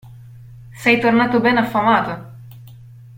Sei tornato ben affamato.